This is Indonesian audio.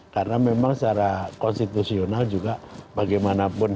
karena memang secara konstitusional juga bagaimanapun